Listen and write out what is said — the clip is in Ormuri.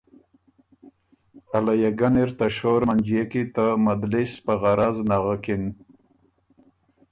ا لیه ګني ر ته شور منجيې کی ته مندلِس په غرض نغکِن۔